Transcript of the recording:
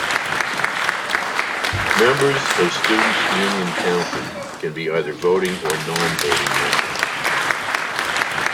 Members of Students' Union Council can be either voting or non-voting members.